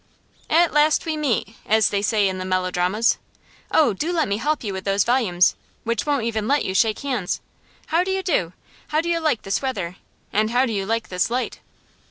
'At last we meet, as they say in the melodramas. Oh, do let me help you with those volumes, which won't even let you shake hands. How do you do? How do you like this weather? And how do you like this light?